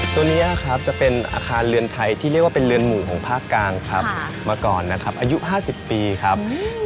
ตัวนี้ครับจะเป็นอาคารเรือนไทยที่เรียกว่าเป็นเรือนหมู่ของภาคกลางครับมาก่อนนะครับอายุ๕๐ปีครับ